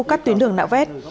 các tuyến đường nạo vét